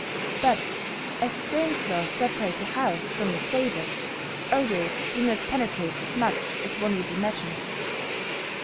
But, as stone floors separate the house from the stable, odors do not penetrate as much as one would imagine.